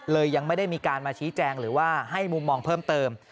ยังไม่ได้มีการมาชี้แจงหรือว่าให้มุมมองเพิ่มเติม